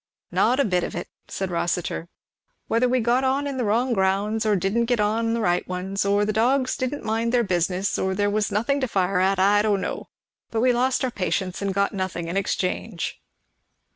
"Not a bit of it," said Rossitur. "Whether we got on the wrong grounds, or didn't get on the right ones, or the dogs didn't mind their business, or there was nothing to fire at, I don't know; but we lost our patience and got nothing in exchange."